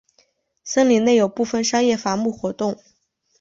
森林内有部分商业伐木活动。